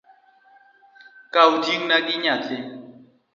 Kaw ting’na gi nyathi